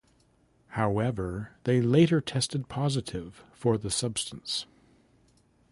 However, they later tested positive for the substance.